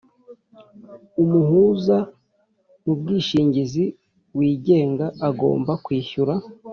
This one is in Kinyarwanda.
Umuhuza mu bwishingizi wigenga agomba kwishyura